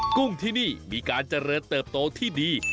กุ้งที่นี่มีการเจริญเติบโตที่ดี